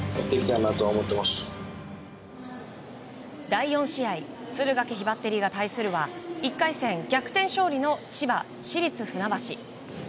第４試合敦賀気比バッテリーが対するは１回戦、逆転勝利の千葉・市立船橋。